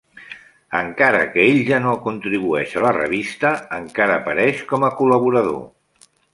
Encara que ell ja no contribueix a la revista, encara apareix com a col·laborador.